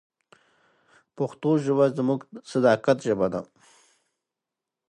پښتو ژبه زموږ د صداقت ژبه ده.